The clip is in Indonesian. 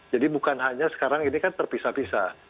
jadi bukan hanya sekarang ini kan terpisah pisah